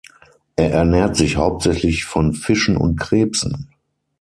Er ernährt sich hauptsächlich von Fischen und Krebsen.